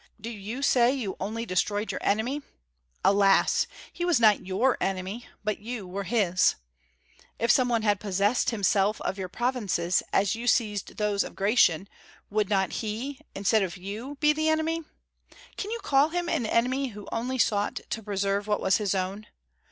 Do you say you only destroyed your enemy? Alas! he was not your enemy, but you were his. If some one had possessed himself of your provinces, as you seized those of Gratian, would not he instead of you be the enemy? Can you call him an enemy who only sought to preserve what was his own?